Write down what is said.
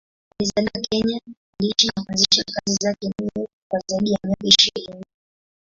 Alizaliwa Kenya, aliishi na kuanzisha kazi zake New York kwa zaidi ya miaka ishirini.